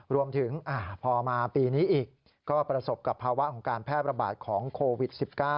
รวมถึงพอมาปีนี้อีกก็ประสบกับภาวะของการแพร่ประบาดของโควิด๑๙